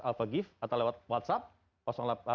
alphagif atau lewat whatsapp